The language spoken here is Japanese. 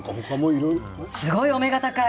すごい、お目が高い。